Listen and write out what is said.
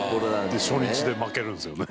富澤：初日で負けるんですね。